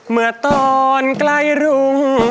เมื่อตอนใกล้รุง